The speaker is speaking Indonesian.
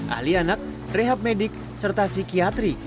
ahli anak rehab medik serta psikiatri